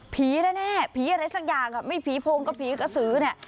แน่ผีอะไรสักอย่างไม่ผีโพงกับผีกระสือเนี่ย